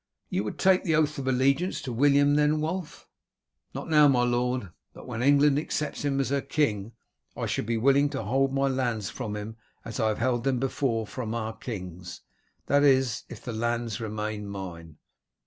"You would take the oath of allegiance to William then, Wulf?" "Not now, my lord, but when England accepts him as her king I should be willing to hold my lands from him as I have held them before from our kings, that is, if the lands remain mine."